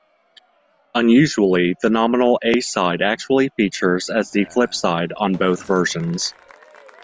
Unusually, the nominal a-side actually features as the flipside on both versions.